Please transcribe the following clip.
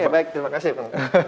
oke baik terima kasih pak